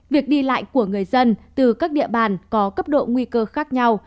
việc đi lại của người dân từ các địa bàn có cấp độ nguy cơ khác nhau